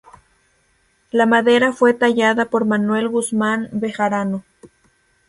La madera fue tallada por Manuel Guzmán Bejarano.